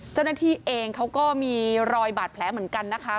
เจ้าหน้าที่เองเขาก็มีรอยบาดแผลเหมือนกันนะคะ